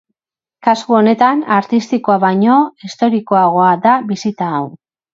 Kasu honetan, artistikoa baino historikoagoa da bisita hau.